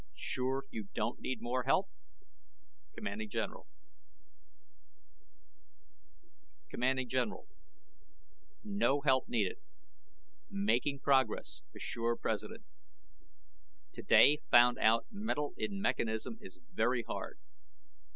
SURE YOU DON'T NEED MORE HELP? CMD GENERAL CMD GENERAL NO HELP NEEDED. MAKING PROGRESS, ASSURE PRESIDENT. TODAY FOUND OUT METAL IN MECHANISM IS VERY HARD.